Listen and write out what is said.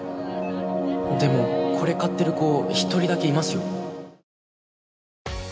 でもこれ買ってる子１人だけいますよ。